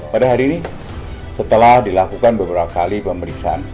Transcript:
pada hari ini setelah dilakukan beberapa kali pemeriksaan